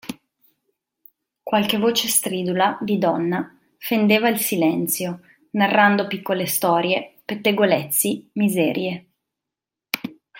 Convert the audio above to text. Qualche voce stridula di donna fendeva il silenzio, narrando piccole storie, pettegolezzi, miserie.